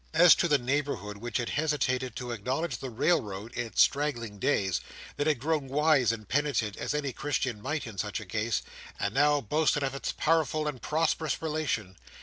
As to the neighbourhood which had hesitated to acknowledge the railroad in its straggling days, that had grown wise and penitent, as any Christian might in such a case, and now boasted of its powerful and prosperous relation.